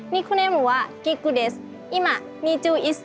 ที่เขาพูดมาก็มีเหตุผล